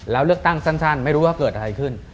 แล้วเลือกตั้งสั้นไม่รู้ว่าเกิดอะไรขึ้น